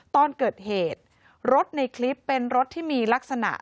ตอนเกิดเหตุรถในคลิปเป็นรถที่มีลักษณะ